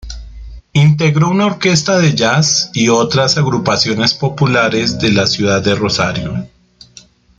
Integró una orquesta de jazz y otras agrupaciones populares de la ciudad de Rosario.